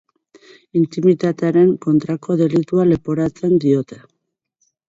Intimitatearen kontrako delitua leporatzen diote.